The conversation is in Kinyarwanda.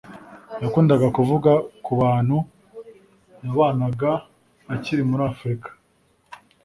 Yakundaga kuvuga ku bantu yabanaga akiri muri Afurika.